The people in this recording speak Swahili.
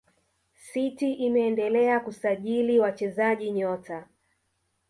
city imeendelea kusajili wachezaji nyota